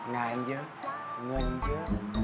งานเยอะเงินเยอะ